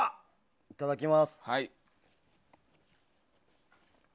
いただきます。